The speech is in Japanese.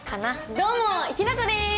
どうも陽向でーす！